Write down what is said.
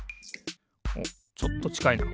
おっちょっとちかいな。